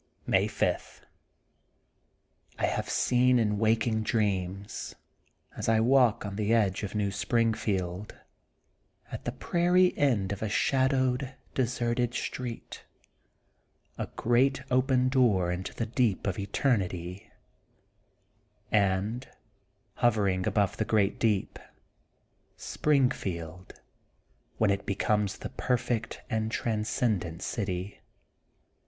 May 5 :— I have seen in waking dreams, as I walk on the edge of New Springfield, at the prairie end of a shadowed deserted street, a great open door into the deep of eternity and, hovering above the great deep, Spring field, when it becomes the perfect and trans cendent city.